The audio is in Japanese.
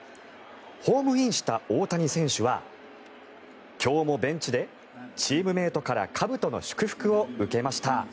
ホームインした大谷選手は今日もベンチでチームメートからかぶとの祝福を受けました。